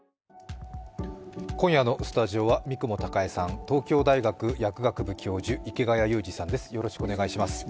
今夜のスタジオは三雲孝江さん、東京大学薬学部教授池谷裕二さんです。